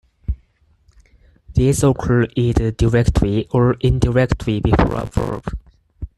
These occur either directly or indirectly before a verb.